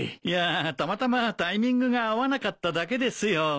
いやたまたまタイミングが合わなかっただけですよ。